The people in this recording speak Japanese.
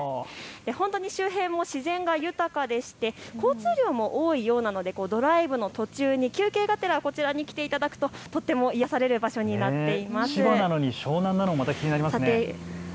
本当に周辺も自然が豊かで交通量も多いようなのでドライブの途中に休憩がてらこちらに来ていただくととっても癒やされる場所になっています。